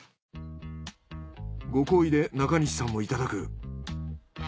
ご厚意で中西さんもいただく。